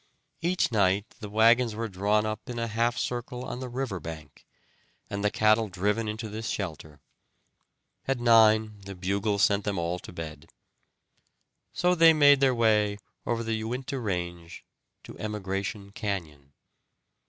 Each night the wagons were drawn up in a half circle on the river bank, and the cattle driven into this shelter. At nine the bugle sent them all to bed. So they made their way over the Uinta range to Emigration Canyon.